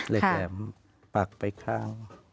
เหล็กแหลมปักไปข้าง